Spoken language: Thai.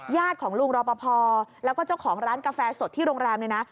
ของลุงรอปภแล้วก็เจ้าของร้านกาแฟสดที่โรงแรมเนี่ยนะ